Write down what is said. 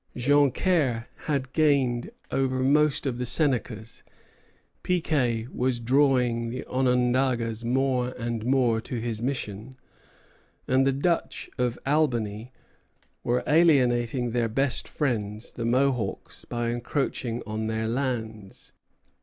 Joncaire had gained over most of the Senecas, Piquet was drawing the Onondagas more and more to his mission, and the Dutch of Albany were alienating their best friends, the Mohawks, by encroaching on their lands.